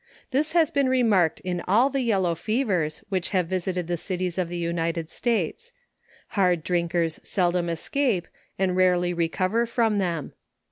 This has been remarked in all the yellow fevers which have visited the cities of the United States. Hard drink ers seldom escape, and rarely recover from them.